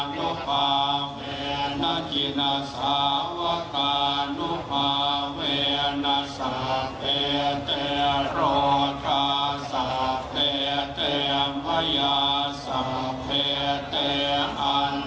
รูปที่แปดผู้แทนกองทัพเรือพลเรือตรีกโมเมฆสะอาดเอียง